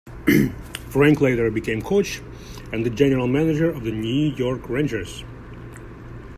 Frank later became coach and the general manager of the New York Rangers.